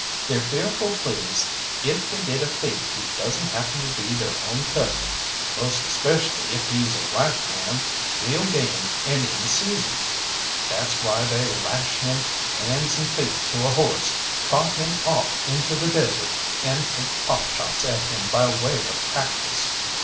They're fearful pleased if they get a thief who doesn't happen to be their own cousin, most especially if he's a white man, real game and in season. That's why they lash him hands and feet to a horse, trot him off into the desert, and take pot shots at him by way of practice.